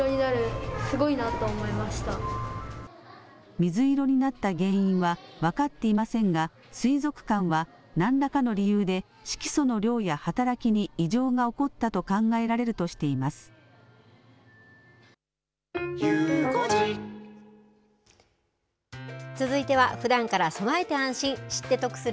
水色になった原因は分かっていませんが、水族館は、なんらかの理由で色素の量や働きに異常が起こったと考えられると続いては、ふだんから備えて安心、知って得する！